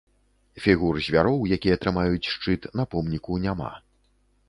Фігур звяроў, якія трымаюць шчыт, на помніку няма.